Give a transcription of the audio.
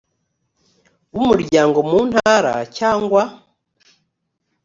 b umuryango mu ntara cyangwa